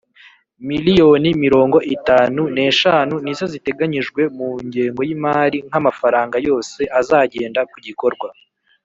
Miliyoni mirongo itanu n’eshanu nizo ziteganyijwe mungengo y’imari nk’amafaranga yose azagenda ku gikorwa.